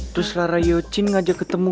terus lara yocin ngajak ketemu